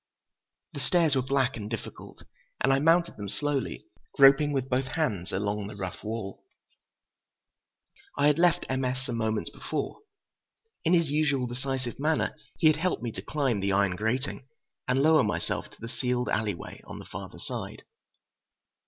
The stairs were black and difficult, and I mounted them slowly, groping with both hands along the rough wall. I had left M. S. some few moments before. In his usual decisive manner he had helped me to climb the iron grating and lower myself to the sealed alley way on the farther side.